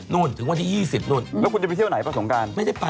รู้สึกว่าวันนี้ยอดวันแรกทะลุไปเรียบร้อยแล้วนะฮะ